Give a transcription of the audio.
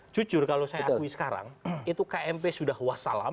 jujur kalau saya akui sekarang itu kmp sudah wassalam